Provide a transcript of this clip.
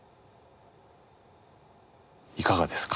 いかがですか？